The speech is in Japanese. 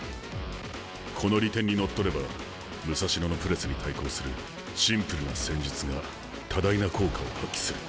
この利点にのっとれば武蔵野のプレスに対抗するシンプルな戦術が多大な効果を発揮する。